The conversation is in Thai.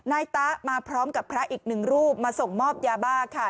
นายตะมาพร้อมกับพระอีกหนึ่งรูปมาส่งมอบยาบ้าค่ะ